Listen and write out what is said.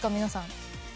皆さん。